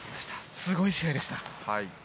すごい試合でした。